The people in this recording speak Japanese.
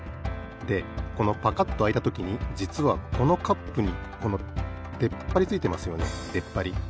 でこのパカッとあいたときにじつはこのカップにこのでっぱりついてますよね。でっぱり。